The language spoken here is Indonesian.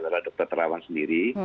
adalah dr terawan sendiri